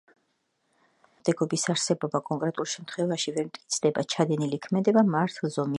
თუკი მართლწინააღმდეგობის არსებობა კონკრეტულ შემთხვევაში ვერ მტკიცდება, ჩადენილი ქმედება მართლზომიერად ითვლება.